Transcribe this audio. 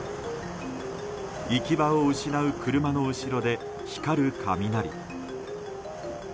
行き場を失う車の後ろで光る雷。